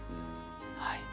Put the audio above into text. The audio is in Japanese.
はい。